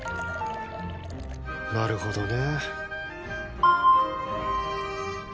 なるほどね。